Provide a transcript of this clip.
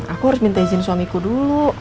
aku harus minta izin suamiku dulu